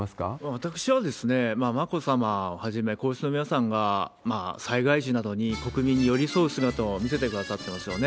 私は、眞子さまをはじめ、皇室の皆さんが、災害時などに国民に寄り添う姿を見せてくださってますよね。